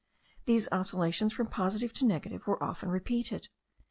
These oscillations from positive to negative were often repeated.